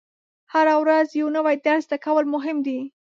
هره ورځ یو نوی درس زده کول مهم دي.